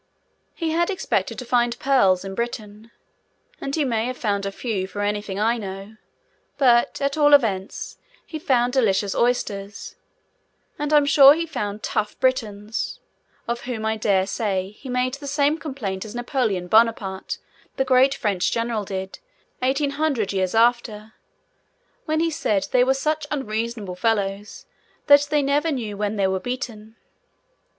He had expected to find pearls in Britain, and he may have found a few for anything I know; but, at all events, he found delicious oysters, and I am sure he found tough Britons—of whom, I dare say, he made the same complaint as Napoleon Bonaparte the great French General did, eighteen hundred years afterwards, when he said they were such unreasonable fellows that they never knew when they were beaten.